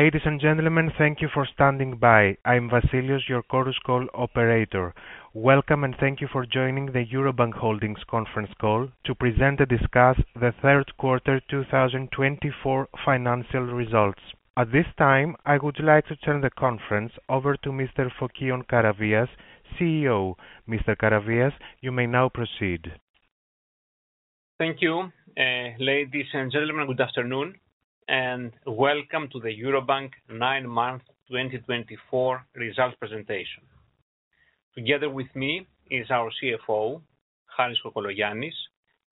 Ladies and gentlemen, thank you for standing by. I'm Vasilios, your Chorus Call operator. Welcome, and thank you for joining the Eurobank Holdings conference call to present and discuss the third quarter 2024 financial results. At this time, I would like to turn the conference over to Mr. Fokion Karavias, CEO. Mr. Karavias, you may now proceed. Thank you. Ladies and gentlemen, good afternoon, and welcome to the Eurobank nine-month 2024 results presentation. Together with me is our CFO, Harris Kokologiannis,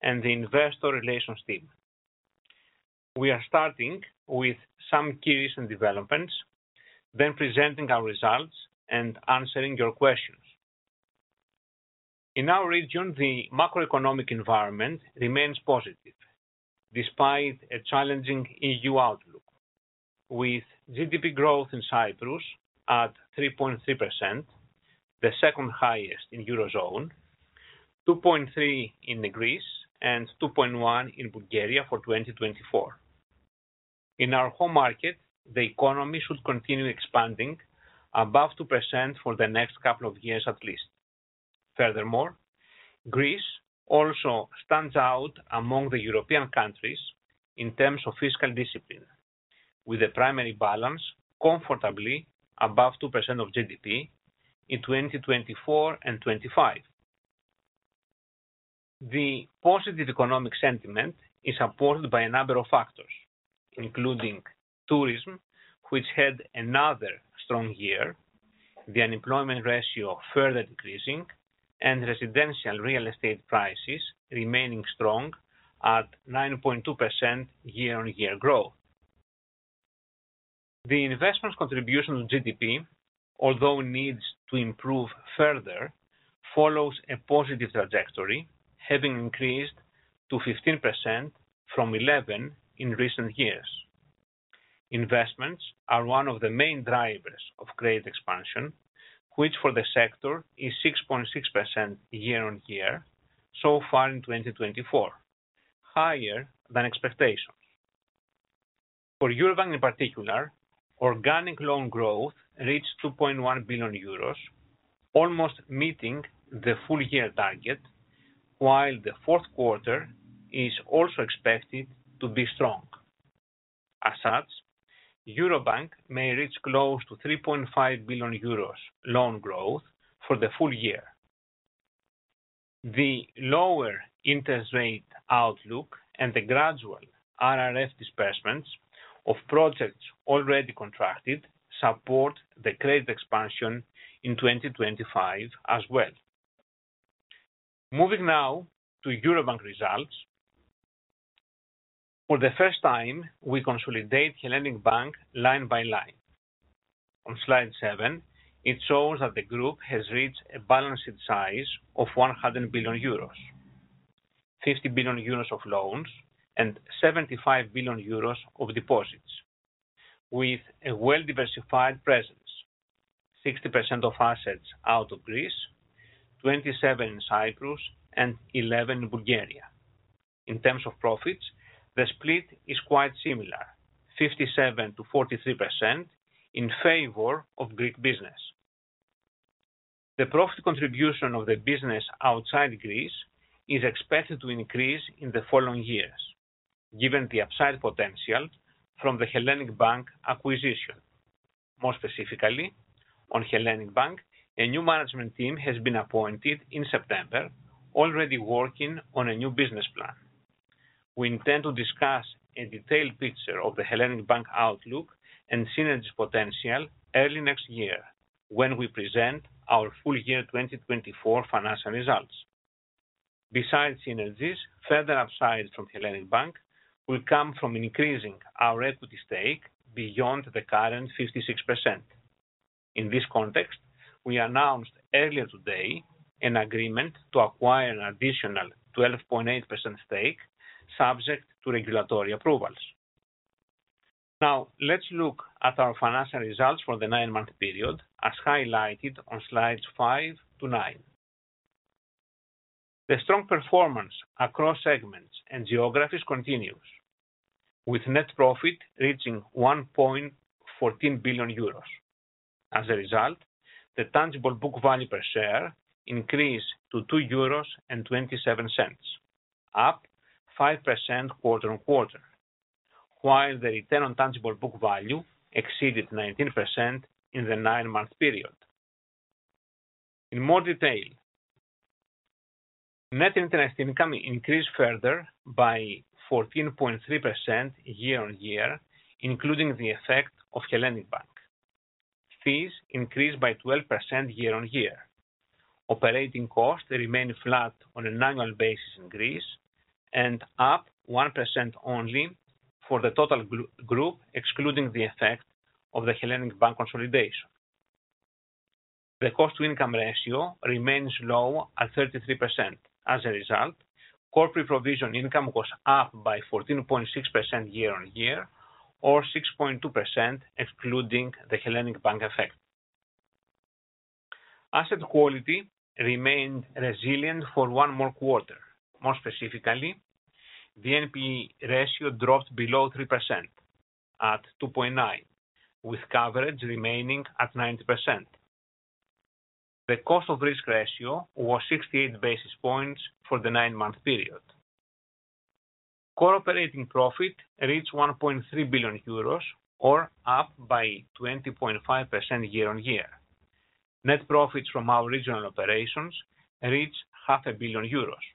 and the investor relations team. We are starting with some key recent developments, then presenting our results and answering your questions. In our region, the macroeconomic environment remains positive despite a challenging EU outlook, with GDP growth in Cyprus at 3.3%, the second highest in the Eurozone, 2.3% in Greece, and 2.1% in Bulgaria for 2024. In our home market, the economy should continue expanding above 2% for the next couple of years at least. Furthermore, Greece also stands out among the European countries in terms of fiscal discipline, with a primary balance comfortably above 2% of GDP in 2024 and 2025. The positive economic sentiment is supported by a number of factors, including tourism, which had another strong year, the unemployment ratio further decreasing, and residential real estate prices remaining strong at 9.2% year-on-year growth. The investment contribution to GDP, although needs to improve further, follows a positive trajectory, having increased to 15% from 11% in recent years. Investments are one of the main drivers of great expansion, which for the sector is 6.6% year-on-year so far in 2024, higher than expectations. For Eurobank in particular, organic loan growth reached 2.1 billion euros, almost meeting the full-year target, while the fourth quarter is also expected to be strong. As such, Eurobank may reach close to 3.5 billion euros loan growth for the full year. The lower interest rate outlook and the gradual RRF disbursements of projects already contracted support the credit expansion in 2025 as well. Moving now to Eurobank results. For the first time, we consolidate Hellenic Bank line by line. On slide seven, it shows that the group has reached a balance sheet size of 100 billion euros, 50 billion euros of loans, and 75 billion euros of deposits, with a well-diversified presence: 60% of assets out of Greece, 27% in Cyprus, and 11% in Bulgaria. In terms of profits, the split is quite similar: 57%-43% in favor of Greek business. The profit contribution of the business outside Greece is expected to increase in the following years, given the upside potential from the Hellenic Bank acquisition. More specifically, on Hellenic Bank, a new management team has been appointed in September, already working on a new business plan. We intend to discuss a detailed picture of the Hellenic Bank outlook and synergies potential early next year when we present our full-year 2024 financial results. Besides synergies, further upside from Hellenic Bank will come from increasing our equity stake beyond the current 56%. In this context, we announced earlier today an agreement to acquire an additional 12.8% stake, subject to regulatory approvals. Now, let's look at our financial results for the nine-month period, as highlighted on slides five to nine. The strong performance across segments and geographies continues, with net profit reaching 1.14 billion euros. As a result, the tangible book value per share increased to 2.27 euros, up 5% quarter-on-quarter, while the return on tangible book value exceeded 19% in the nine-month period. In more detail, net interest income increased further by 14.3% year-on-year, including the effect of Hellenic Bank. Fees increased by 12% year-on-year. Operating costs remain flat on an annual basis in Greece and up 1% only for the total group, excluding the effect of the Hellenic Bank consolidation. The cost-to-income ratio remains low at 33%. As a result, core pre-provision income was up by 14.6% year-on-year, or 6.2% excluding the Hellenic Bank effect. Asset quality remained resilient for one more quarter. More specifically, the NPE ratio dropped below 3% at 2.9%, with coverage remaining at 90%. The cost-of-risk ratio was 68 basis points for the nine-month period. Core operating profit reached 1.3 billion euros, or up by 20.5% year-on-year. Net profits from our regional operations reached 500 million euros.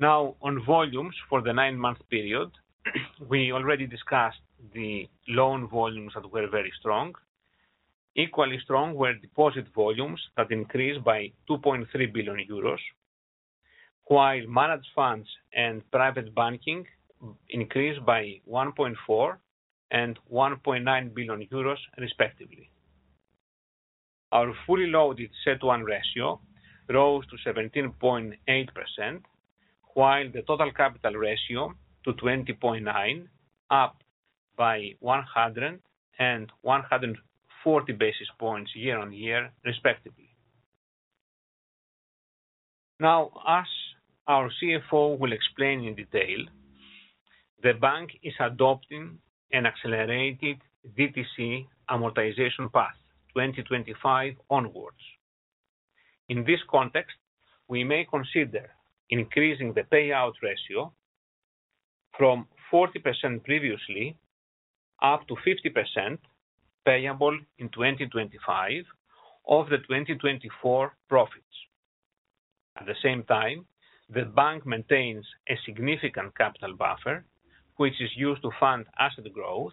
Now, on volumes for the nine-month period, we already discussed the loan volumes that were very strong. Equally strong were deposit volumes that increased by 2.3 billion euros, while managed funds and private banking increased by 1.4 billion and 1.9 billion euros, respectively. Our fully loaded CET1 ratio rose to 17.8%, while the total capital ratio to 20.9%, up by 100 and 140 basis points year-on-year, respectively. Now, as our CFO will explain in detail, the bank is adopting an accelerated DTC amortization path 2025 onwards. In this context, we may consider increasing the payout ratio from 40% previously up to 50% payable in 2025 of the 2024 profits. At the same time, the bank maintains a significant capital buffer, which is used to fund asset growth,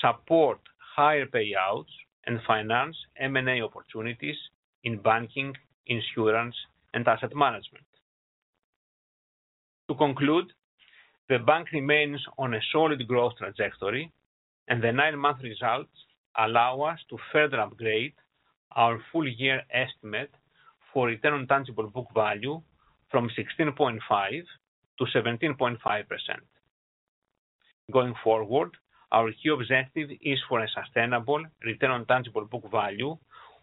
support higher payouts, and finance M&A opportunities in banking, insurance, and asset management. To conclude, the bank remains on a solid growth trajectory, and the nine-month results allow us to further upgrade our full-year estimate for return on tangible book value from 16.5%-17.5%. Going forward, our key objective is for a sustainable return on tangible book value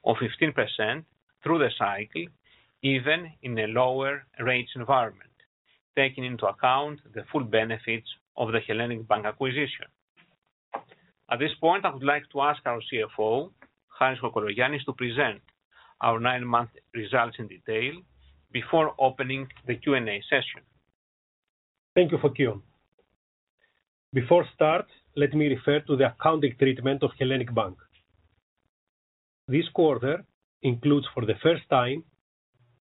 of 15% through the cycle, even in a lower rates environment, taking into account the full benefits of the Hellenic Bank acquisition. At this point, I would like to ask our CFO, Harris Kokologiannis, to present our nine-month results in detail before opening the Q&A session. Thank you, Fokion. Before we start, let me refer to the accounting treatment of Hellenic Bank. This quarter includes, for the first time,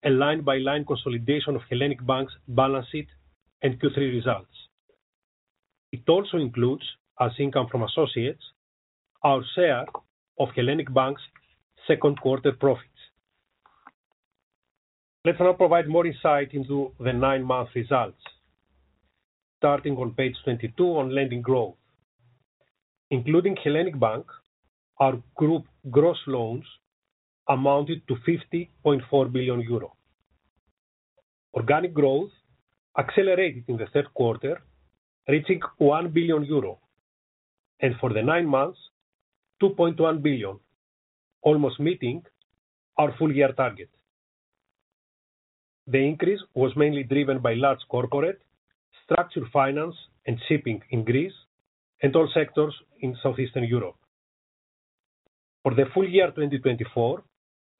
a line-by-line consolidation of Hellenic Bank's balance sheet and Q3 results. It also includes, as income from associates, our share of Hellenic Bank's second quarter profits. Let's now provide more insight into the nine-month results. Starting on page 22 on lending growth, including Hellenic Bank, our group gross loans amounted to 50.4 billion euro. Organic growth accelerated in the third quarter, reaching 1 billion euro, and for the nine months, 2.1 billion, almost meeting our full-year target. The increase was mainly driven by large corporate, structured finance, and shipping in Greece, and all sectors in Southeastern Europe. For the full year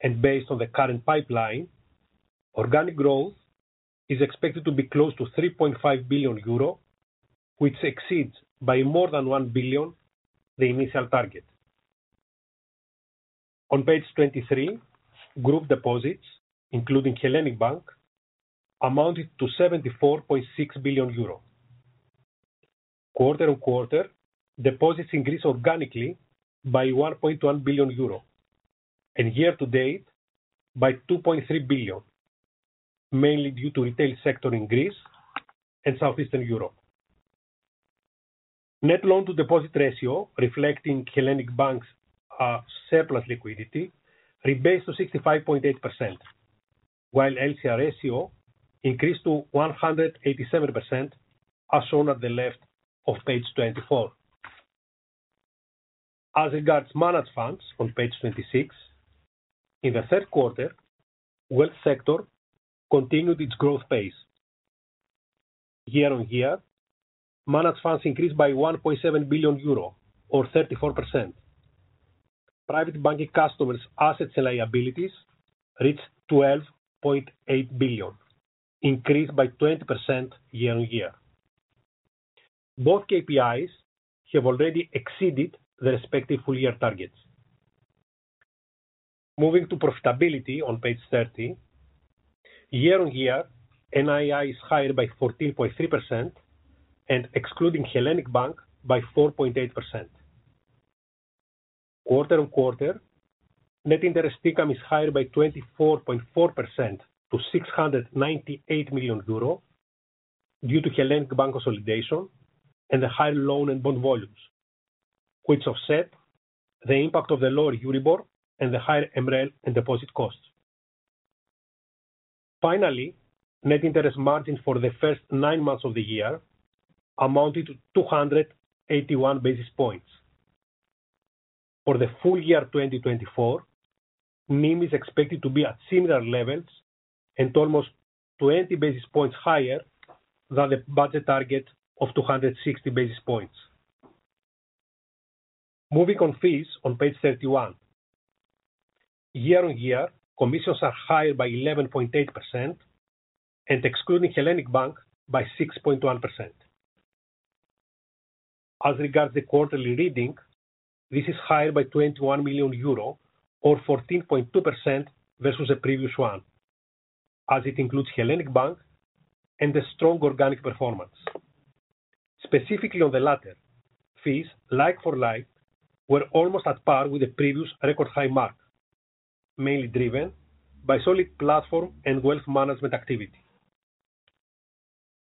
2024, and based on the current pipeline, organic growth is expected to be close to 3.5 billion euro, which exceeds by more than 1 billion the initial target. On page 23, group deposits, including Hellenic Bank, amounted to 74.6 billion euro. Quarter on quarter, deposits increased organically by 1.1 billion euro, and year-to-date by 2.3 billion, mainly due to retail sector in Greece and Southeastern Europe. Net loan-to-deposit ratio, reflecting Hellenic Bank's surplus liquidity, rebased to 65.8%, while LCR ratio increased to 187%, as shown at the left of page 24. As regards managed funds on page 26, in the third quarter, wealth sector continued its growth pace. Year-on-year, managed funds increased by 1.7 billion euro, or 34%. Private banking customers' assets and liabilities reached 12.8 billion, increased by 20% year-on-year. Both KPIs have already exceeded their respective full-year targets. Moving to profitability on page 30, year-on-year, NII is higher by 14.3% and excluding Hellenic Bank by 4.8%. Quarter on quarter, net interest income is higher by 24.4% to 698 million euro due to Hellenic Bank consolidation and the higher loan and bond volumes, which offset the impact of the lower Euribor and the higher MREL and deposit costs. Finally, net interest margin for the first nine months of the year amounted to 281 basis points. For the full year 2024, NIM is expected to be at similar levels and almost 20 basis points higher than the budget target of 260 basis points. Moving on fees on page 31, year-on-year, commissions are higher by 11.8% and excluding Hellenic Bank by 6.1%. As regards the quarterly reading, this is higher by 21 million euro, or 14.2% versus the previous one, as it includes Hellenic Bank and the strong organic performance. Specifically on the latter, fees, like for like, were almost at par with the previous record high mark, mainly driven by solid platform and wealth management activity.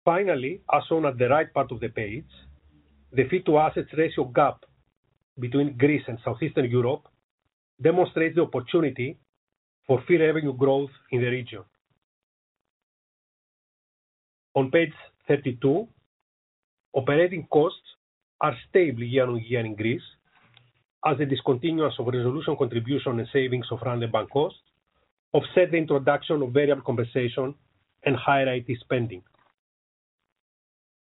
Finally, as shown at the right part of the page, the fee-to-assets ratio gap between Greece and Southeastern Europe demonstrates the opportunity for further revenue growth in the region. On page 32, operating costs are stable year-on-year in Greece, as the discontinuance of resolution contribution and savings of run-the-bank costs offset the introduction of variable compensation and higher IT spending.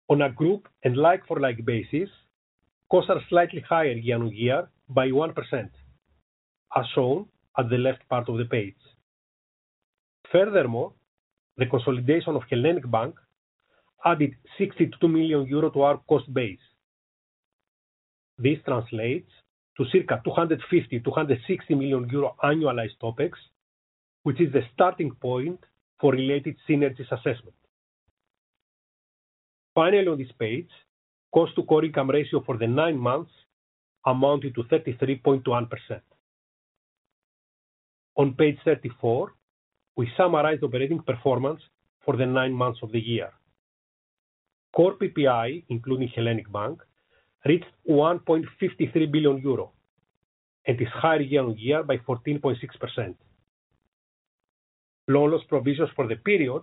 On a group and like-for-like basis, costs are slightly higher year-on-year by 1%, as shown at the left part of the page. Furthermore, the consolidation of Hellenic Bank added 62 million euro to our cost base. This translates to circa 250 million-260 million euro annualized costs, which is the starting point for related synergies assessment. Finally, on this page, cost-to-core income ratio for the nine months amounted to 33.1%. On page 34, we summarize the operating performance for the nine months of the year. Core PPI, including Hellenic Bank, reached 1.53 billion euro and is higher year-on-year by 14.6%. Loan loss provisions for the period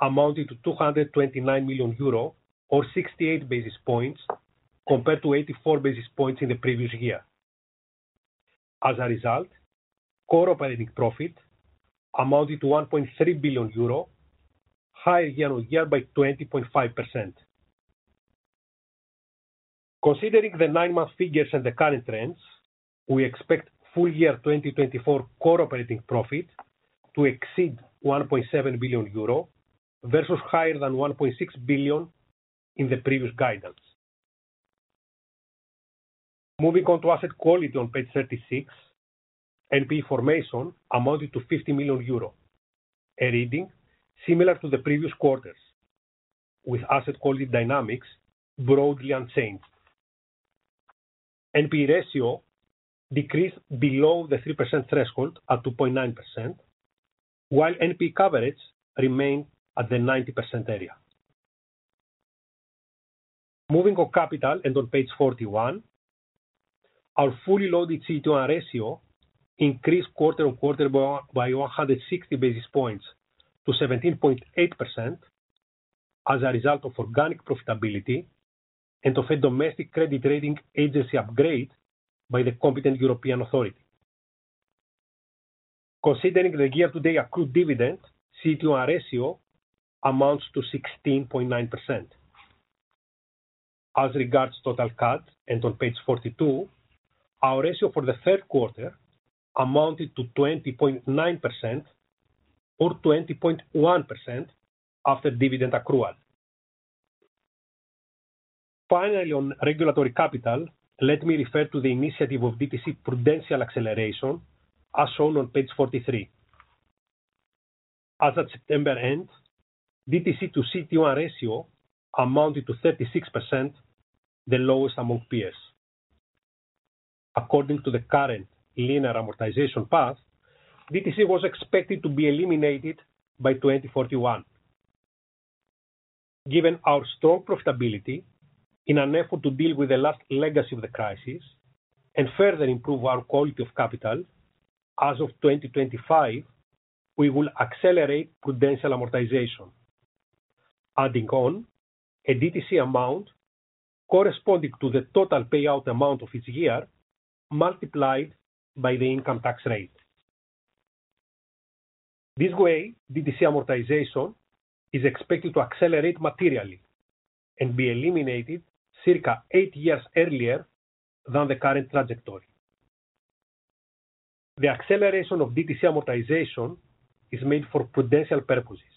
amounted to 229 million euro, or 68 basis points, compared to 84 basis points in the previous year. As a result, core operating profit amounted to 1.3 billion euro, higher year-on-year by 20.5%. Considering the nine-month figures and the current trends, we expect full-year 2024 core operating profit to exceed 1.7 billion euro versus higher than 1.6 billion in the previous guidance. Moving on to asset quality on page 36, NPE formation amounted to 50 million euro, a reading similar to the previous quarters, with asset quality dynamics broadly unchanged. NPE ratio decreased below the 3% threshold at 2.9%, while NPE coverage remained at the 90% area. Moving on to capital and on page 41, our fully loaded CET1 ratio increased quarter-on-quarter by 160 basis points to 17.8% as a result of organic profitability and of a domestic credit rating agency upgrade by the competent European authority. Considering the year-to-date accrued dividend, CET1 ratio amounts to 16.9%. As regards TCR and on page 42, our ratio for the third quarter amounted to 20.9%, or 20.1% after dividend accrual. Finally, on regulatory capital, let me refer to the initiative of DTC Prudential Acceleration, as shown on page 43. As at September end, DTC to CET1 ratio amounted to 36%, the lowest among peers. According to the current linear amortization path, DTC was expected to be eliminated by 2041. Given our strong profitability, in an effort to deal with the last legacy of the crisis and further improve our quality of capital, as of 2025, we will accelerate prudential amortization, adding on a DTC amount corresponding to the total payout amount of each year multiplied by the income tax rate. This way, DTC amortization is expected to accelerate materially and be eliminated circa eight years earlier than the current trajectory. The acceleration of DTC amortization is made for prudential purposes.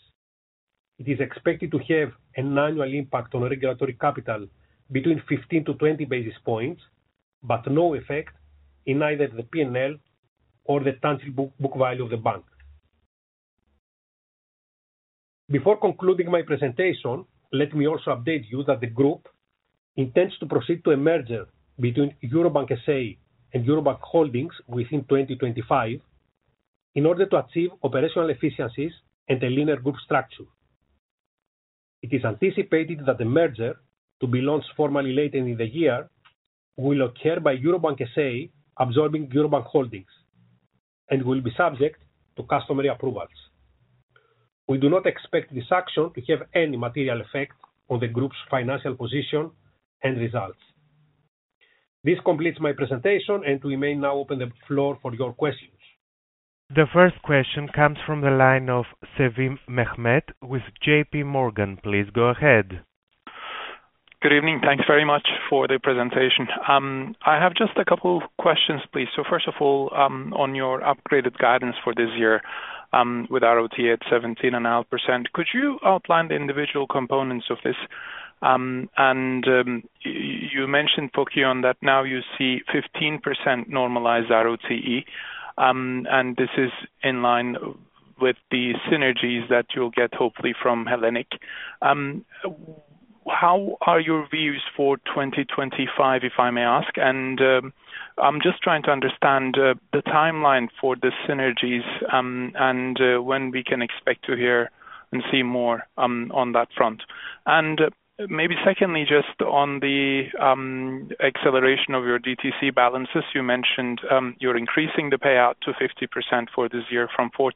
It is expected to have an annual impact on regulatory capital between 15 to 20 basis points, but no effect in either the P&L or the tangible book value of the bank. Before concluding my presentation, let me also update you that the group intends to proceed to a merger between Eurobank S.A. and Eurobank Holdings within 2025 in order to achieve operational efficiencies and a linear group structure. It is anticipated that the merger, to be launched formally later in the year, will occur by Eurobank S.A. absorbing Eurobank Holdings and will be subject to customary approvals. We do not expect this action to have any material effect on the group's financial position and results. This completes my presentation, and we may now open the floor for your questions. The first question comes from the line of Sevim, Mehmet with JPMorgan. Please go ahead. Good evening. Thanks very much for the presentation. I have just a couple of questions, please. So first of all, on your upgraded guidance for this year with ROT at 17.5%, could you outline the individual components of this? And you mentioned, Fokion, that now you see 15% normalized ROTE, and this is in line with the synergies that you'll get hopefully from Hellenic. How are your views for 2025, if I may ask? And I'm just trying to understand the timeline for the synergies and when we can expect to hear and see more on that front. And maybe secondly, just on the acceleration of your DTC balances, you mentioned you're increasing the payout to 50% for this year from 40%.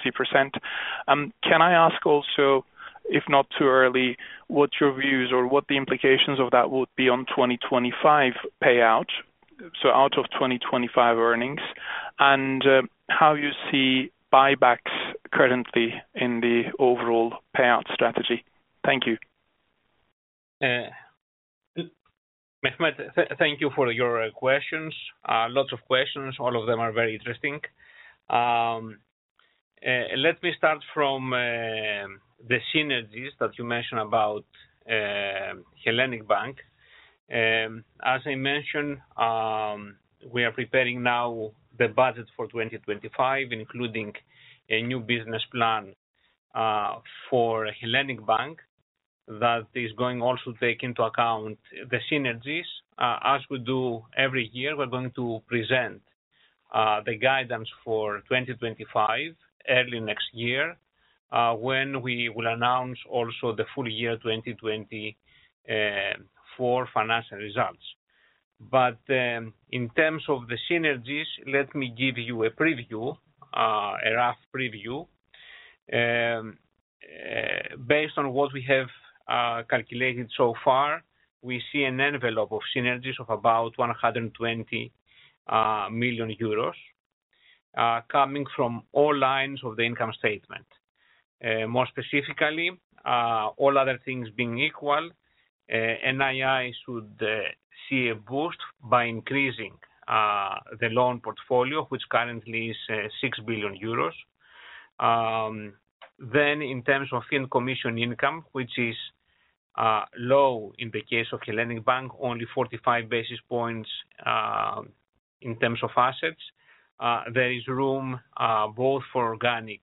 Can I ask also, if not too early, what your views or what the implications of that would be on 2025 payout, so out of 2025 earnings, and how you see buybacks currently in the overall payout strategy? Thank you. Mehmet, thank you for your questions. Lots of questions. All of them are very interesting. Let me start from the synergies that you mentioned about Hellenic Bank. As I mentioned, we are preparing now the budget for 2025, including a new business plan for Hellenic Bank that is going also to take into account the synergies. As we do every year, we're going to present the guidance for 2025 early next year when we will announce also the full year 2024 financial results. But in terms of the synergies, let me give you a preview, a rough preview. Based on what we have calculated so far, we see an envelope of synergies of about 120 million euros coming from all lines of the income statement. More specifically, all other things being equal, NII should see a boost by increasing the loan portfolio, which currently is 6 billion euros. Then, in terms of fee and commission income, which is low in the case of Hellenic Bank, only 45 basis points in terms of assets, there is room both for organic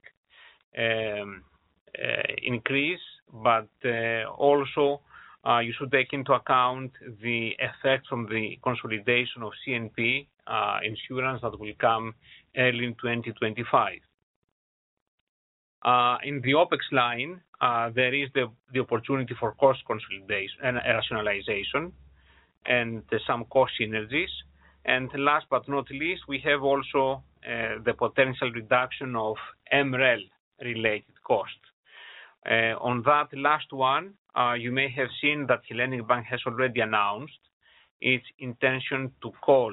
increase, but also you should take into account the effect from the consolidation of CNP Insurance that will come early in 2025. In the OpEx line, there is the opportunity for cost consolidation and rationalization and some cost synergies. And last but not least, we have also the potential reduction of MREL-related cost. On that last one, you may have seen that Hellenic Bank has already announced its intention to call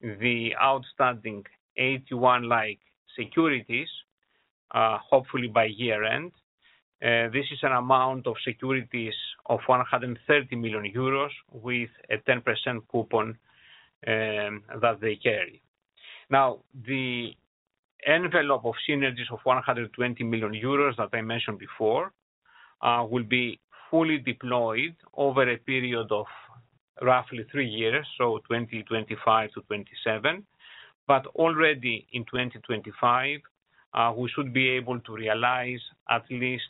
the outstanding AT1-like securities, hopefully by year-end. This is an amount of securities of 130 million euros with a 10% coupon that they carry. Now, the envelope of synergies of 120 million euros that I mentioned before will be fully deployed over a period of roughly three years, so 2025 to 2027. But already in 2025, we should be able to realize at least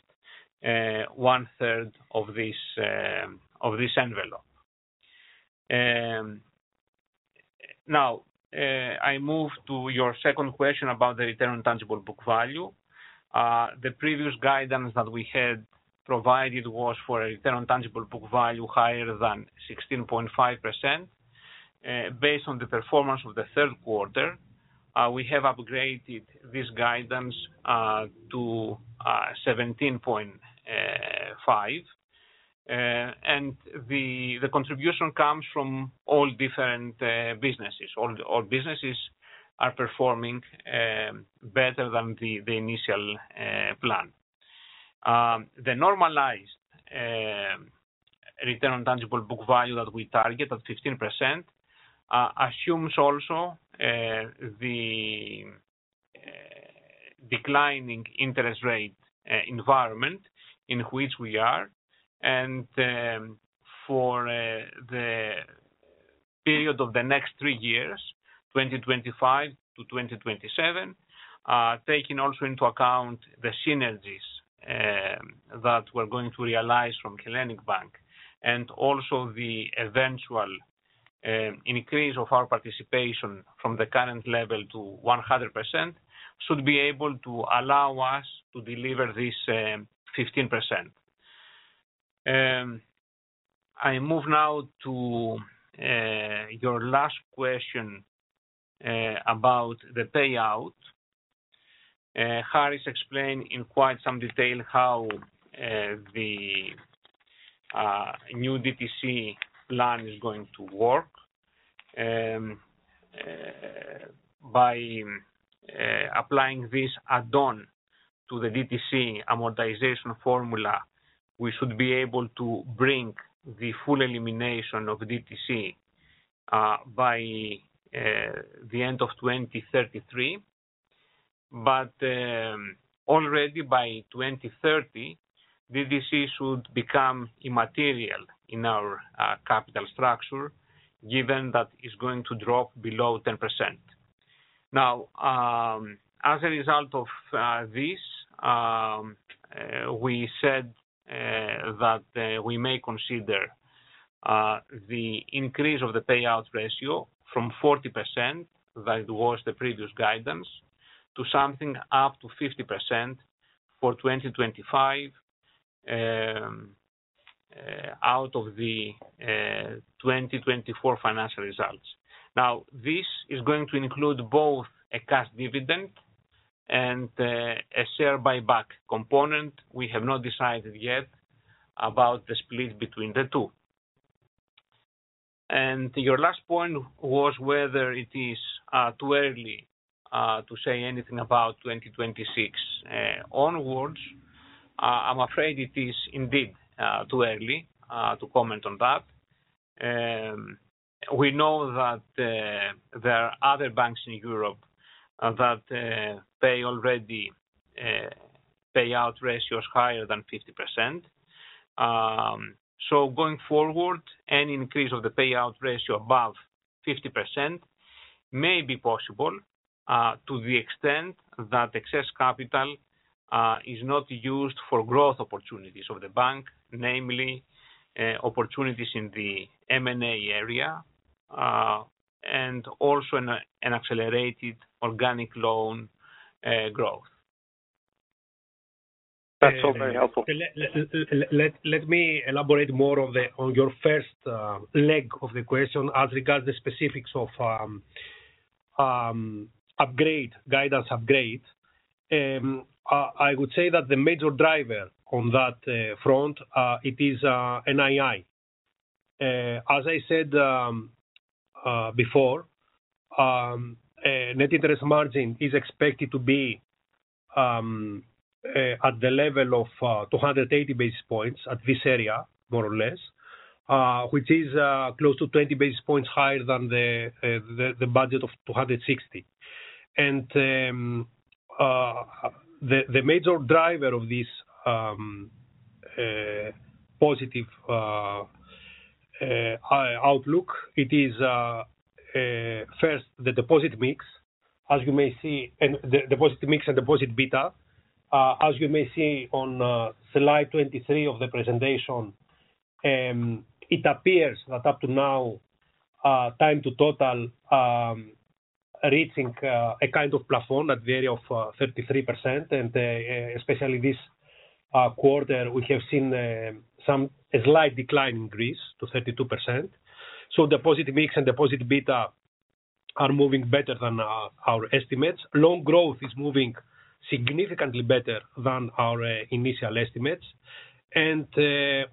one-third of this envelope. Now, I move to your second question about the return on tangible book value. The previous guidance that we had provided was for a return on tangible book value higher than 16.5%. Based on the performance of the third quarter, we have upgraded this guidance to 17.5%. And the contribution comes from all different businesses. All businesses are performing better than the initial plan. The normalized return on tangible book value that we target at 15% assumes also the declining interest rate environment in which we are. For the period of the next three years, 2025 to 2027, taking also into account the synergies that we're going to realize from Hellenic Bank and also the eventual increase of our participation from the current level to 100%, should be able to allow us to deliver this 15%. I move now to your last question about the payout. Harris explained in quite some detail how the new DTC plan is going to work. By applying this add-on to the DTC amortization formula, we should be able to bring the full elimination of DTC by the end of 2033. Already by 2030, DTC should become immaterial in our capital structure, given that it's going to drop below 10%. Now, as a result of this, we said that we may consider the increase of the payout ratio from 40%, that was the previous guidance, to something up to 50% for 2025 out of the 2024 financial results. Now, this is going to include both a cash dividend and a share buyback component. We have not decided yet about the split between the two. And your last point was whether it is too early to say anything about 2026 onwards. I'm afraid it is indeed too early to comment on that. We know that there are other banks in Europe that pay already payout ratios higher than 50%. So going forward, any increase of the payout ratio above 50% may be possible to the extent that excess capital is not used for growth opportunities of the bank, namely opportunities in the M&A area and also an accelerated organic loan growth. That's all very helpful. Let me elaborate more on your first leg of the question as regards the specifics of guidance upgrade. I would say that the major driver on that front, it is NII. As I said before, net interest margin is expected to be at the level of 280 basis points at this area, more or less, which is close to 20 basis points higher than the budget of 260. And the major driver of this positive outlook, it is first the deposit mix, as you may see, and the deposit mix and deposit beta. As you may see on slide 23 of the presentation, it appears that up to now, time to total reaching a kind of plafond at the area of 33%. And especially this quarter, we have seen some slight decline in Greece to 32%. So the deposit mix and deposit beta are moving better than our estimates. Loan growth is moving significantly better than our initial estimates. And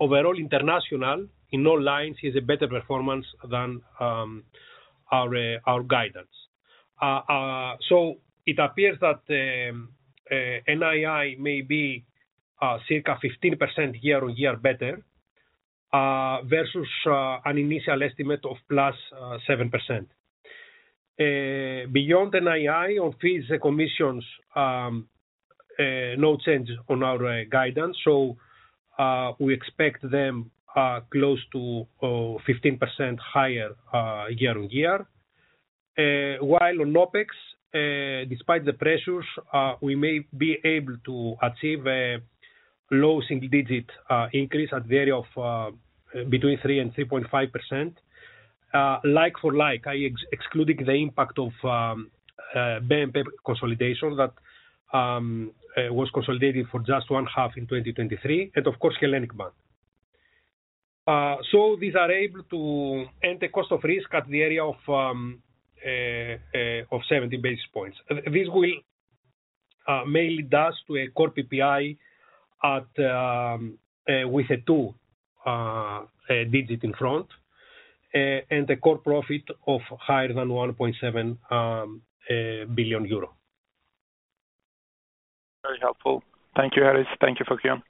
overall, international in all lines is a better performance than our guidance. So it appears that NII may be circa 15% year-on-year better versus an initial estimate of plus 7%. Beyond NII, on fees and commissions, no change on our guidance. So we expect them close to 15% higher year-on-year. While on OpEx, despite the pressures, we may be able to achieve a low single-digit increase at the area of between 3% and 3.5%. Like for like, I excluded the impact of BNP consolidation that was consolidated for just one-half in 2023 and, of course, Hellenic Bank. So these are able to end the cost of risk at the area of 70 basis points. This will mainly be due to a core PPI with a two-digit in front and a core profit higher than 1.7 billion euro. Very helpful. Thank you, Harris. Thank you, Fokion.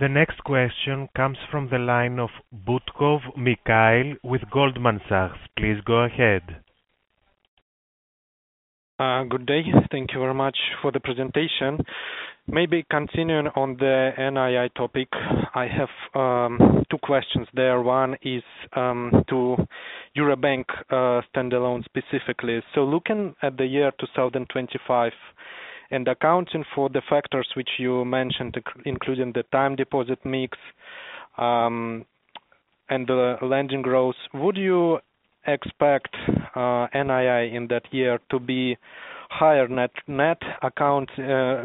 The next question comes from the line of Butkov, Mikhail, with Goldman Sachs. Please go ahead. Good day. Thank you very much for the presentation. Maybe continuing on the NII topic, I have two questions there. One is to Eurobank standalone specifically. So looking at the year 2025 and accounting for the factors which you mentioned, including the time deposit mix and the lending growth, would you expect NII in that year to be higher net-net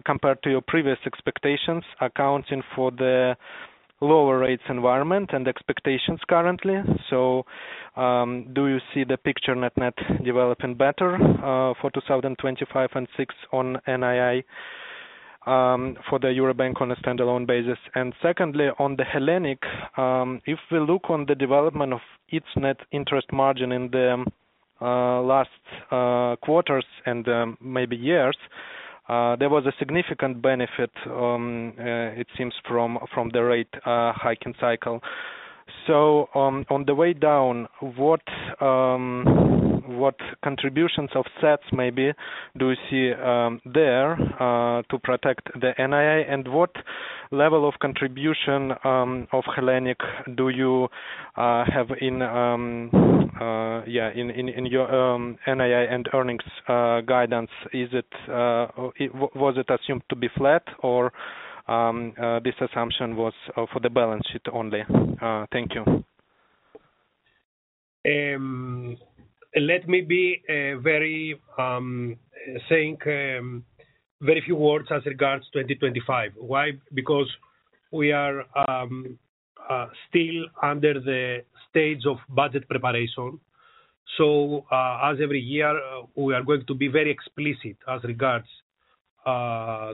compared to your previous expectations accounting for the lower rates environment and expectations currently? So do you see the picture net-net developing better for 2025 and 2026 on NII for the Eurobank on a standalone basis? And secondly, on the Hellenic, if we look on the development of its net interest margin in the last quarters and maybe years, there was a significant benefit, it seems, from the rate hiking cycle. So on the way down, what contributions of assets maybe do you see there to protect the NII? What level of contribution of Hellenic do you have in your NII and earnings guidance? Was it assumed to be flat, or this assumption was for the balance sheet only? Thank you. Let me say very few words as regards 2025. Why? Because we are still under the stage of budget preparation. So as every year, we are going to be very explicit as regards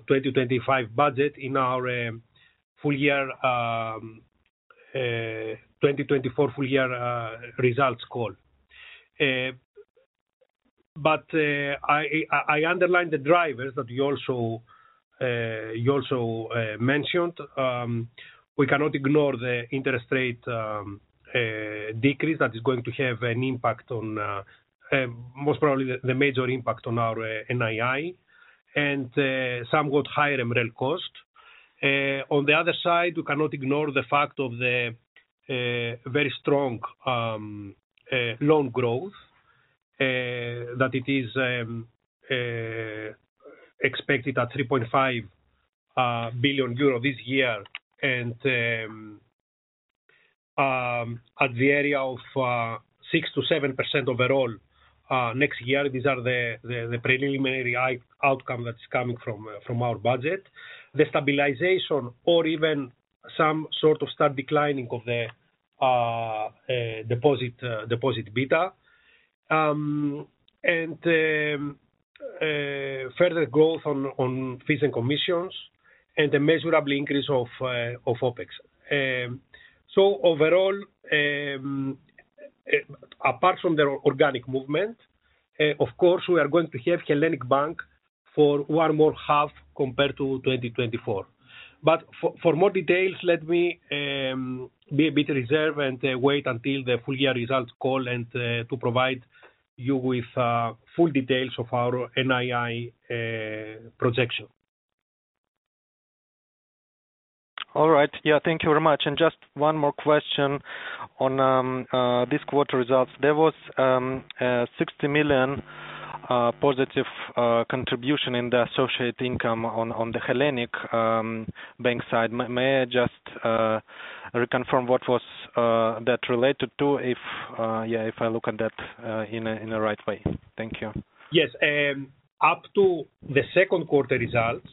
2025 budget in our 2024 full-year results call. But I underline the drivers that you also mentioned. We cannot ignore the interest rate decrease that is going to have an impact on, most probably, the major impact on our NII and somewhat higher MREL cost. On the other side, we cannot ignore the fact of the very strong loan growth that it is expected at 3.5 billion euro this year. At the area of 6%-7% overall next year, these are the preliminary outcome that is coming from our budget, the stabilization or even some sort of start declining of the deposit beta, and further growth on fees and commissions, and a measurable increase of OpEx. Overall, apart from the organic movement, of course, we are going to have Hellenic Bank for one more half compared to 2024. For more details, let me be a bit reserved and wait until the full-year result call to provide you with full details of our NII projection. All right. Yeah, thank you very much. And just one more question on this quarter results. There was 60 million positive contribution in the associated income on the Hellenic Bank side. May I just reconfirm what was that related to? Yeah, if I look at that in a right way. Thank you. Yes. Up to the second quarter results,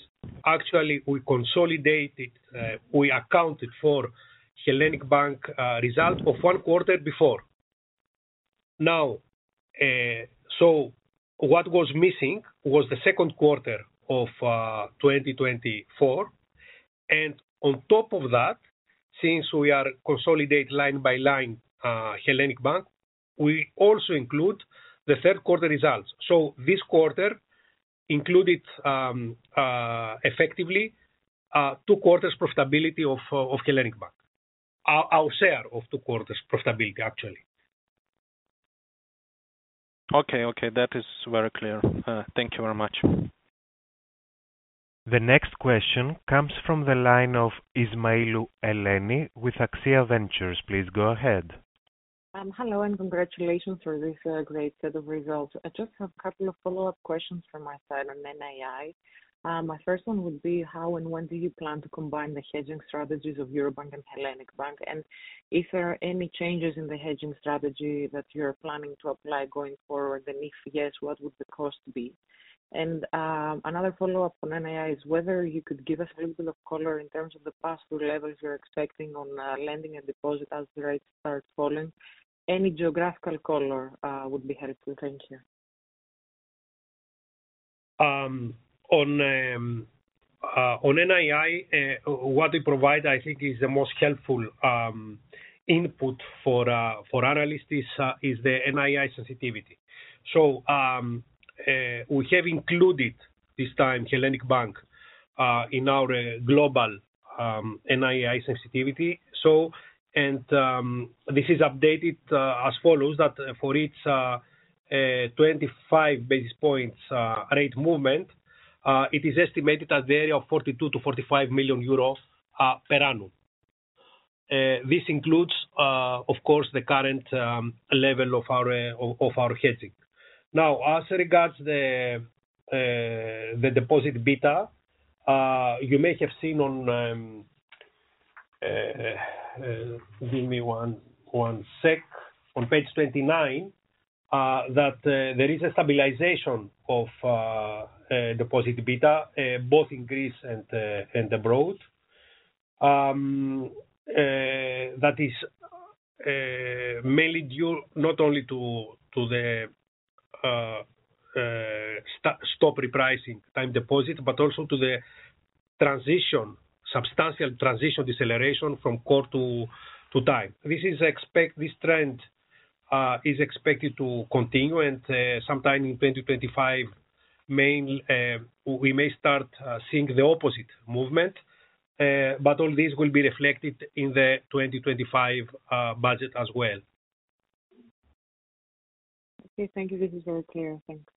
actually, we accounted for Hellenic Bank result of one quarter before. Now, so what was missing was the second quarter of 2024, and on top of that, since we are consolidating line by line Hellenic Bank, we also include the third quarter results, so this quarter included effectively two quarters' profitability of Hellenic Bank, our share of two quarters' profitability, actually. Okay, okay. That is very clear. Thank you very much. The next question comes from the line of Eleni Ismailou with Axia Ventures. Please go ahead. Hello, and congratulations for this great set of results. I just have a couple of follow-up questions from my side on NII. My first one would be, how and when do you plan to combine the hedging strategies of Eurobank and Hellenic Bank? And if there are any changes in the hedging strategy that you're planning to apply going forward, and if yes, what would the cost be? And another follow-up on NII is whether you could give us a little bit of color in terms of the pass-through levels you're expecting on lending and deposit as the rates start falling. Any geographical color would be helpful. Thank you. On NII, what we provide, I think, is the most helpful input for analysts is the NII sensitivity. So we have included this time Hellenic Bank in our global NII sensitivity. And this is updated as follows: that for each 25 basis points rate movement, it is estimated in the area of 42 million-45 million euros per annum. This includes, of course, the current level of our hedging. Now, as regards the deposit beta, you may have seen, give me one sec, on page 29 that there is a stabilization of deposit beta, both in Greece and abroad. That is mainly due not only to the stop repricing time deposit, but also to the substantial transition deceleration from core to time. This trend is expected to continue. And sometime in 2025, we may start seeing the opposite movement. But all this will be reflected in the 2025 budget as well. Okay. Thank you. This is very clear. Thanks.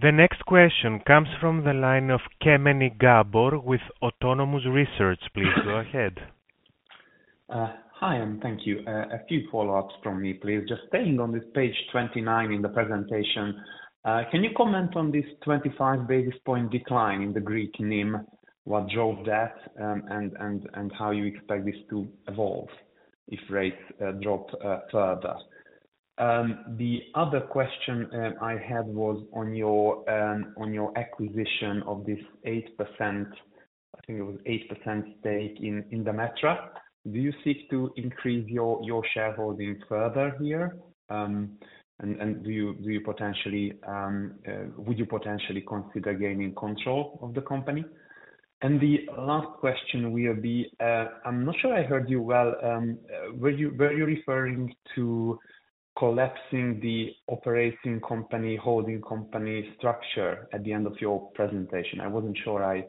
The next question comes from the line of Kemeny, Gabor with Autonomous Research. Please go ahead. Hi, and thank you. A few follow-ups from me, please. Just staying on this page 29 in the presentation, can you comment on this 25 basis point decline in the Greek NIM, what drove that, and how you expect this to evolve if rates drop further? The other question I had was on your acquisition of this 8% stake in Demetra. Do you seek to increase your shareholding further here? And do you potentially consider gaining control of the company? And the last question will be I'm not sure I heard you well. Were you referring to collapsing the operating company holding company structure at the end of your presentation? I wasn't sure I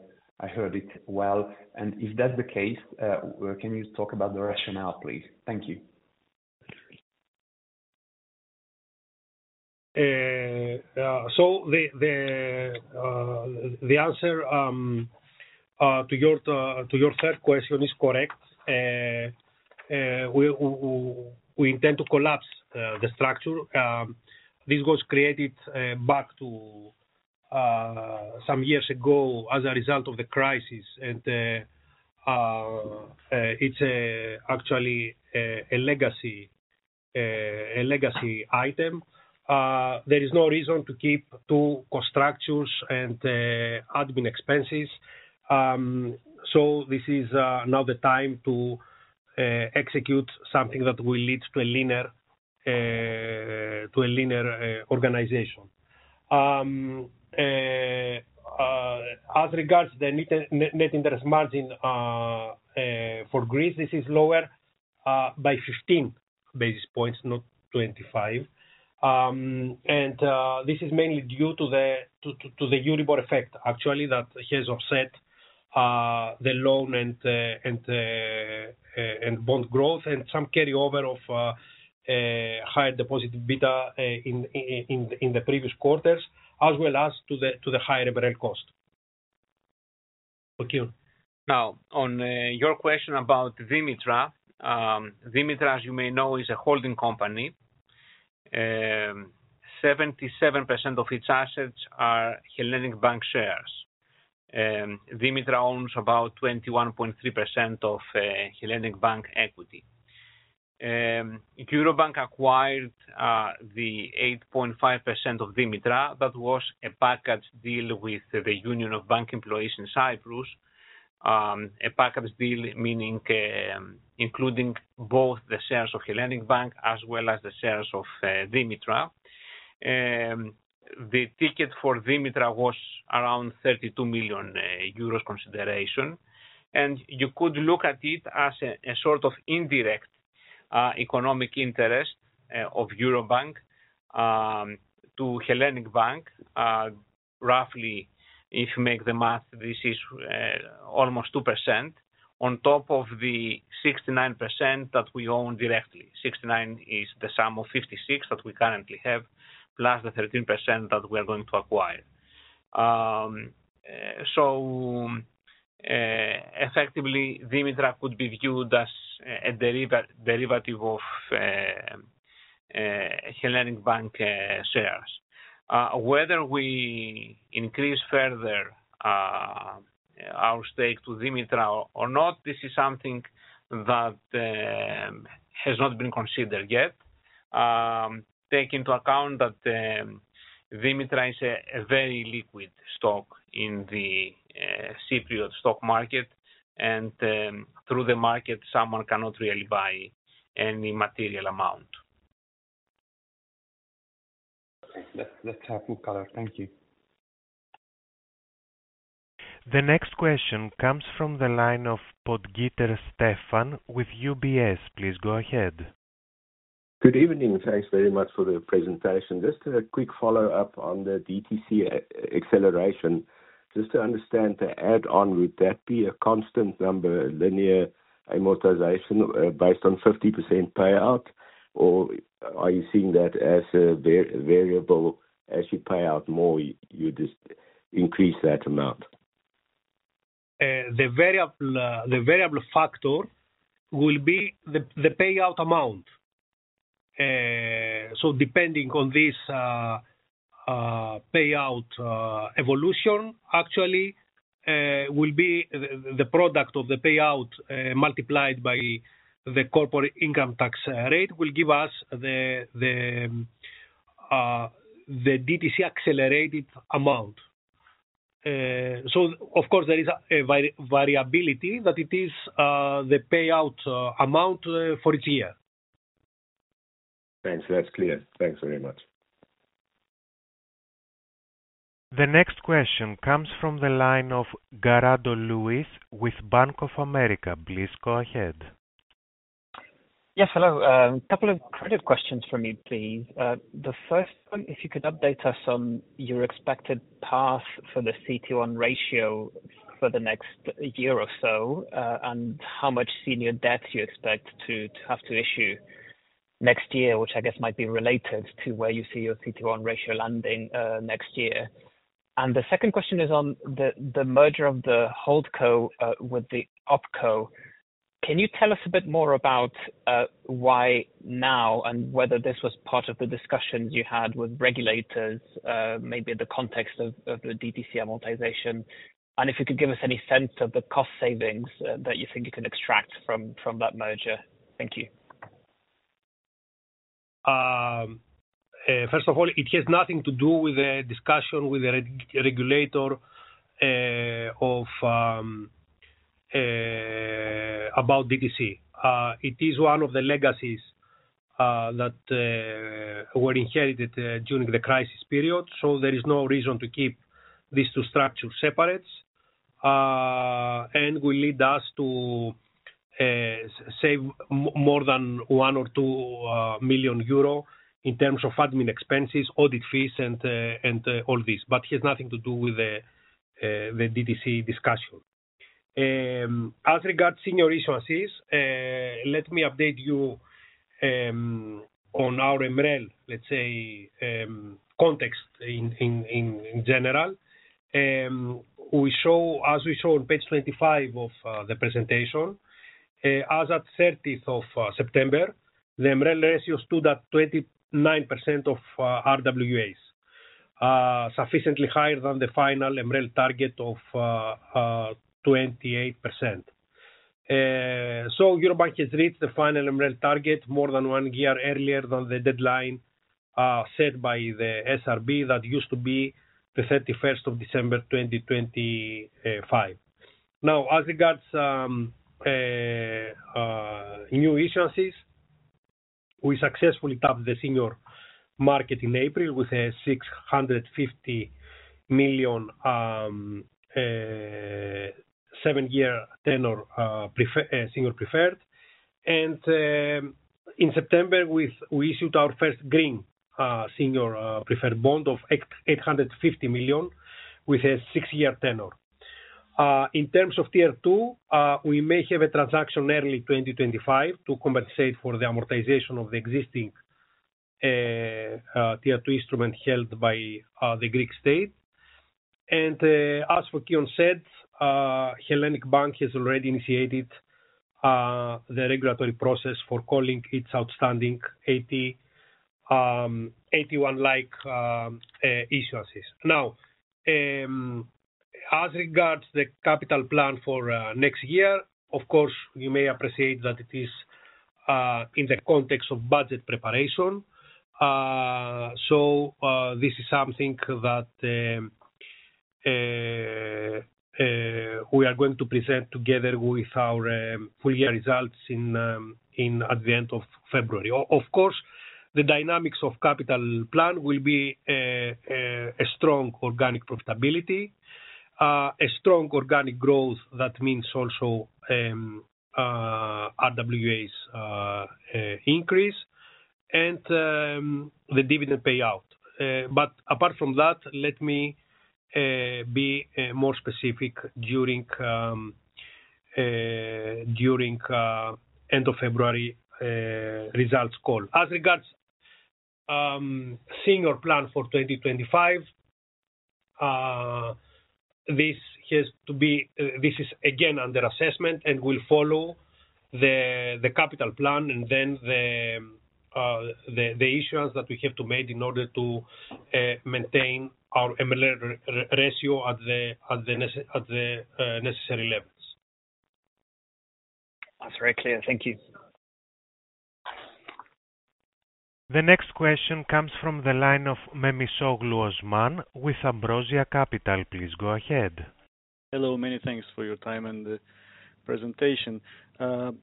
heard it well. And if that's the case, can you talk about the rationale, please? Thank you. The answer to your third question is correct. We intend to collapse the structure. This was created back to some years ago as a result of the crisis. It is actually a legacy item. There is no reason to keep two cost structures and admin expenses. This is now the time to execute something that will lead to a linear organization. As regards the net interest margin for Greece, this is lower by 15 basis points, not 25. This is mainly due to the Euribor effect, actually, that has offset the loan and bond growth and some carryover of higher deposit beta in the previous quarters, as well as to the higher MREL cost. Fokion. Now, on your question about Demetra, Demetra, as you may know, is a holding company. 77% of its assets are Hellenic Bank shares. Demetra owns about 21.3% of Hellenic Bank equity. Eurobank acquired the 8.5% of Demetra. That was a package deal with the Union of Bank Employees in Cyprus, a package deal meaning including both the shares of Hellenic Bank as well as the shares of Demetra. The ticket for Demetra was around 32 million euros consideration. And you could look at it as a sort of indirect economic interest of Eurobank to Hellenic Bank. Roughly, if you make the math, this is almost 2% on top of the 69% that we own directly. 69 is the sum of 56 that we currently have, plus the 13% that we are going to acquire. So effectively, Demetra could be viewed as a derivative of Hellenic Bank shares. Whether we increase further our stake to Demetra or not, this is something that has not been considered yet, taking into account that Demetra is a very liquid stock in the Cypriot stock market, and through the market, someone cannot really buy any material amount. Okay. That's helpful color. Thank you. The next question comes from the line of Potgieter, Stefan with UBS. Please go ahead. Good evening. Thanks very much for the presentation. Just a quick follow-up on the DTC acceleration. Just to understand the add-on, would that be a constant number, linear amortization based on 50% payout, or are you seeing that as a variable? As you pay out more, you just increase that amount? The variable factor will be the payout amount. So depending on this payout evolution, actually, will be the product of the payout multiplied by the corporate income tax rate will give us the DTC accelerated amount. So of course, there is a variability that it is the payout amount for each year. Thanks. That's clear. Thanks very much. The next question comes from the line of Garrido, Luis with Bank of America. Please go ahead. Yes, hello. A couple of credit questions for me, please. The first one, if you could update us on your expected path for the CET1 ratio for the next year or so, and how much senior debt you expect to have to issue next year, which I guess might be related to where you see your CET1 ratio landing next year. And the second question is on the merger of the Holdco with the Opco. Can you tell us a bit more about why now and whether this was part of the discussions you had with regulators, maybe in the context of the DTC amortization? And if you could give us any sense of the cost savings that you think you can extract from that merger. Thank you. First of all, it has nothing to do with the discussion with the regulator about DTC. It is one of the legacies that were inherited during the crisis period, so there is no reason to keep these two structures separate, and will lead us to save more than 1 million or 2 million euro in terms of admin expenses, audit fees, and all these. But it has nothing to do with the DTC discussion. As regards senior issuances, let me update you on our MREL, let's say, context in general. As we saw on page 25 of the presentation, as of 30th of September, the MREL ratio stood at 29% of RWAs, sufficiently higher than the final MREL target of 28%, so Eurobank has reached the final MREL target more than one year earlier than the deadline set by the SRB that used to be the 31st of December 2025. Now, as regards new issuances, we successfully tapped the senior market in April with a 650 million seven-year tenor senior preferred. And in September, we issued our first green senior preferred bond of 850 million with a six-year tenor. In terms of tier two, we may have a transaction early 2025 to compensate for the amortization of the existing tier two instrument held by the Greek state, and as Fokion said, Hellenic Bank has already initiated the regulatory process for calling its outstanding AT1-like issuances. Now, as regards the capital plan for next year, of course, you may appreciate that it is in the context of budget preparation, so this is something that we are going to present together with our full year results at the end of February. Of course, the dynamics of capital plan will be a strong organic profitability, a strong organic growth that means also RWAs increase, and the dividend payout. But apart from that, let me be more specific during end of February results call. As regards senior plan for 2025, this is again under assessment and will follow the capital plan and then the issuance that we have to make in order to maintain our MREL ratio at the necessary levels. That's very clear. Thank you. The next question comes from the line of Memisoglu, Osman with Ambrosia Capital. Please go ahead. Hello. Many thanks for your time and the presentation.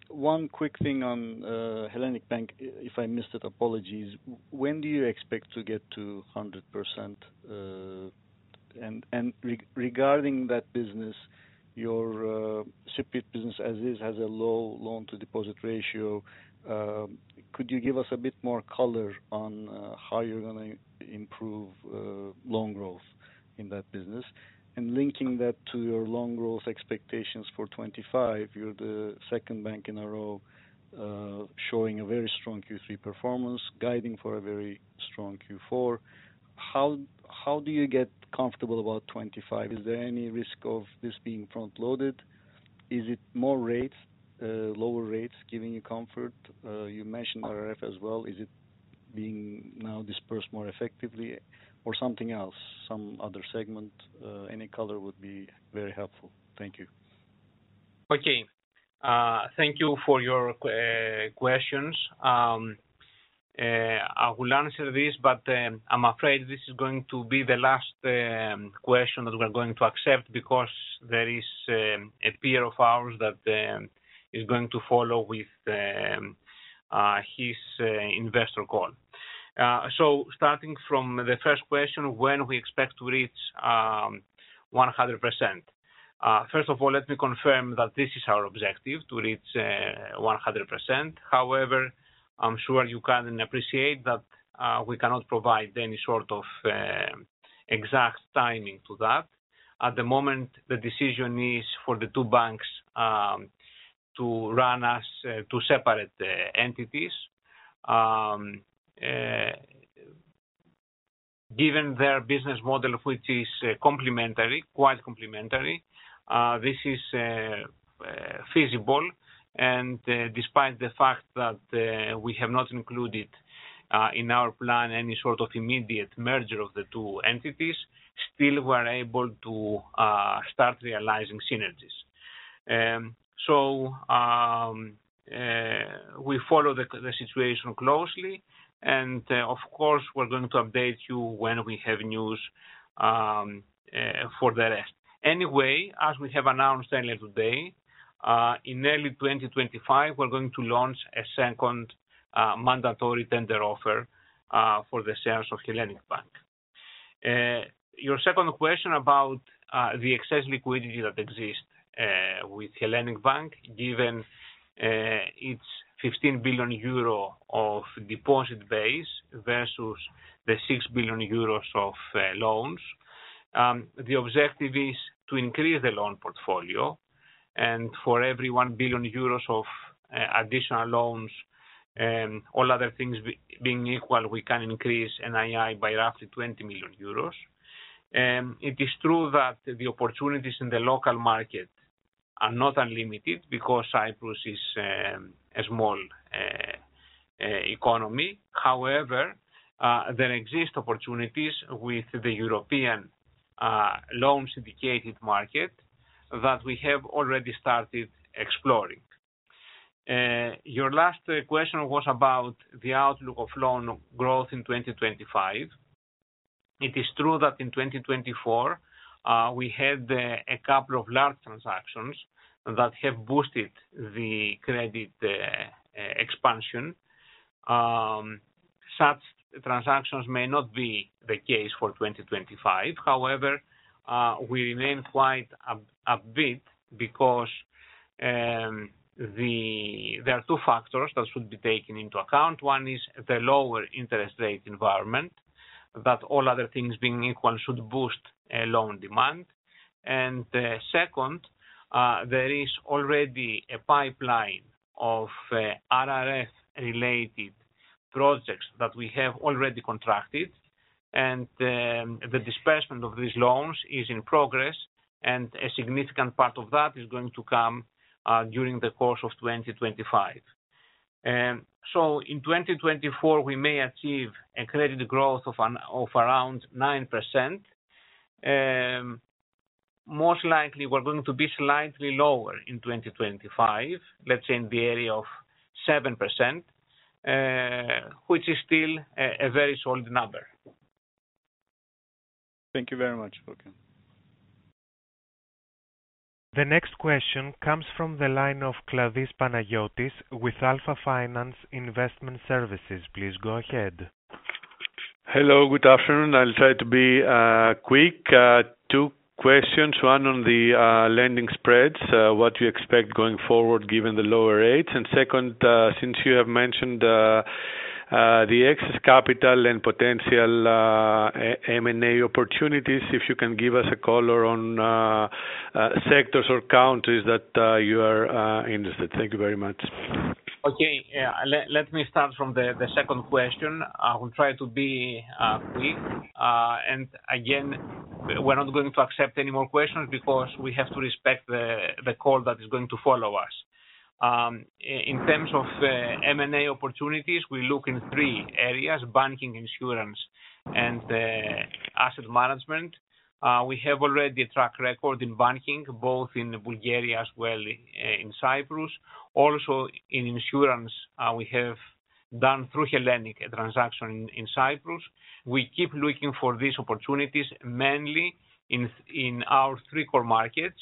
One quick thing on Hellenic Bank, if I missed it, apologies. When do you expect to get to 100%? And regarding that business, your C&P business as is has a low loan-to-deposit ratio. Could you give us a bit more color on how you're going to improve loan growth in that business? And linking that to your loan growth expectations for 2025, you're the second bank in a row showing a very strong Q3 performance, guiding for a very strong Q4. How do you get comfortable about 2025? Is there any risk of this being front-loaded? Is it more rates, lower rates giving you comfort? You mentioned RRF as well. Is it being now dispersed more effectively or something else, some other segment? Any color would be very helpful. Thank you. Okay. Thank you for your questions. I will answer this, but I'm afraid this is going to be the last question that we're going to accept because there is a peer of ours that is going to follow with his investor call. So starting from the first question, when we expect to reach 100%? First of all, let me confirm that this is our objective to reach 100%. However, I'm sure you can appreciate that we cannot provide any sort of exact timing to that. At the moment, the decision is for the two banks to run as two separate entities. Given their business model, which is complementary, quite complementary, this is feasible. And despite the fact that we have not included in our plan any sort of immediate merger of the two entities, still we are able to start realizing synergies. So we follow the situation closely. Of course, we're going to update you when we have news for the rest. Anyway, as we have announced earlier today, in early 2025, we're going to launch a second mandatory tender offer for the shares of Hellenic Bank. Your second question about the excess liquidity that exists with Hellenic Bank, given its 15 billion euro deposit base versus the 6 billion euros of loans, the objective is to increase the loan portfolio. For every 1 billion euros of additional loans, all other things being equal, we can increase NII by roughly 20 million euros. It is true that the opportunities in the local market are not unlimited because Cyprus is a small economy. However, there exist opportunities with the European loan syndicated market that we have already started exploring. Your last question was about the outlook of loan growth in 2025. It is true that in 2024, we had a couple of large transactions that have boosted the credit expansion. Such transactions may not be the case for 2025. However, we remain quite a bit because there are two factors that should be taken into account. One is the lower interest rate environment that all other things being equal should boost loan demand. And second, there is already a pipeline of RRF-related projects that we have already contracted. And the disbursement of these loans is in progress. And a significant part of that is going to come during the course of 2025. So in 2024, we may achieve a credit growth of around 9%. Most likely, we're going to be slightly lower in 2025, let's say in the area of 7%, which is still a very solid number. Thank you very much, Fokion. The next question comes from the line of Kladis, Panagiotis with Alpha Finance Investment Services. Please go ahead. Hello. Good afternoon. I'll try to be quick. Two questions. One on the lending spreads, what you expect going forward given the lower rates, and second, since you have mentioned the excess capital and potential M&A opportunities, if you can give us a color on sectors or countries that you are interested. Thank you very much. Okay. Let me start from the second question. I will try to be quick. And again, we're not going to accept any more questions because we have to respect the call that is going to follow us. In terms of M&A opportunities, we look in three areas: banking, insurance, and asset management. We have already a track record in banking, both in Bulgaria as well in Cyprus. Also, in insurance, we have done through Hellenic a transaction in Cyprus. We keep looking for these opportunities mainly in our three core markets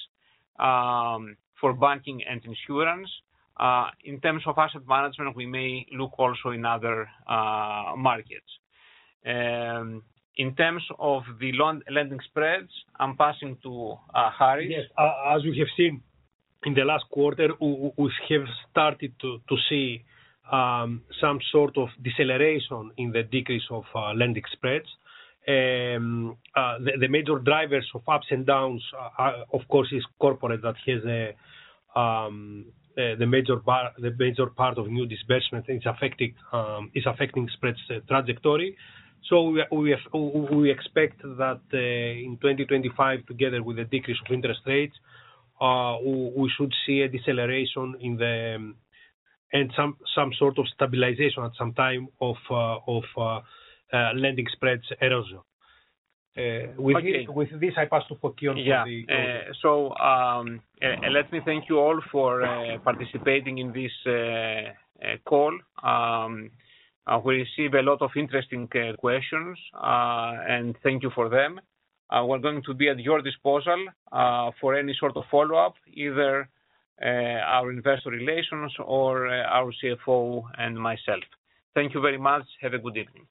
for banking and insurance. In terms of asset management, we may look also in other markets. In terms of the loan lending spreads, I'm passing to Harris. Yes. As you have seen in the last quarter, we have started to see some sort of deceleration in the decrease of lending spreads. The major drivers of ups and downs, of course, is corporate that has the major part of new disbursement is affecting spreads trajectory. So we expect that in 2025, together with the decrease of interest rates, we should see a deceleration in the and some sort of stabilization at some time of lending spreads erosion. Okay. With this, I pass to Fokion for the closing. So let me thank you all for participating in this call. We receive a lot of interesting questions. And thank you for them. We're going to be at your disposal for any sort of follow-up, either our investor relations or our CFO and myself. Thank you very much. Have a good evening.